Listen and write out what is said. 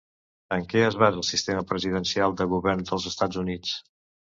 En què es basa el sistema presidencial de govern dels Estats Units?